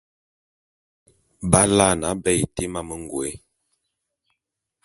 B’alaene aba été mamə ngôé.